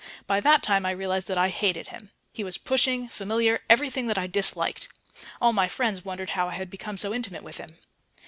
By that time I realized that I hated him. He was pushing, familiar, everything that I disliked. All my friends wondered how I had become so intimate with him....